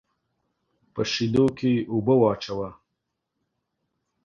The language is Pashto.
په شېدو کې اوبه واچوه.